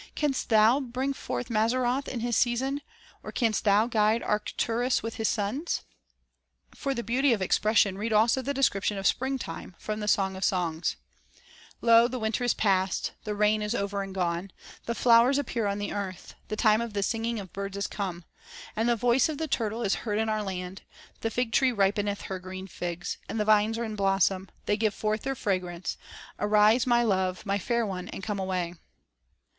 Canst thou bring forth Mazzaroth in his season? Or canst thou guide Arcturus with his sons?" ' For beauty of expression read also the description From "Song of Songs '' of spring time, from the "Song of Songs": —" Lo, the winter is past, The rain is over and gone ; The flowers appear on the earth ; The time of the singing of birds is come, And the voice of the turtle is heard in our land ; The fig tree ripeneth her green figs, And the vines are in blossom, They give forth their fragrance. Arise, my love, my fair one, and come away."